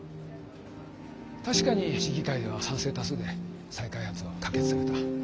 確かに市議会では賛成多数で再開発は可決された。